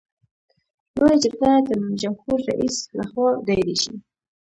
لویه جرګه د جمهور رئیس له خوا دایریږي.